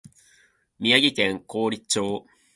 宮城県亘理町